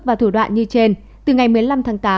và thủ đoạn như trên từ ngày một mươi năm tháng tám